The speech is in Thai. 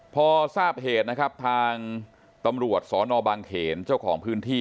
พอทราบเหตุนะครับทางตำรวจสนบางเขนเจ้าของพื้นที่